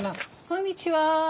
こんにちは。